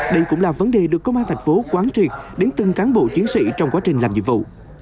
đây cũng là vấn đề được công an thành phố quán triệt đến từng cán bộ chiến sĩ trong quá trình làm nhiệm vụ